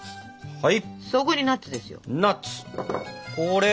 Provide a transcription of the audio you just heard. はい。